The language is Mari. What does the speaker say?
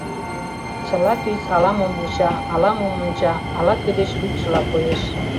Чыла тӱс ала-мом вуча, ала-мом онча, ала-кӧ деч лӱдшыла коеш.